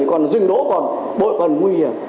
còn rừng đỗ còn bội phần nguy hiểm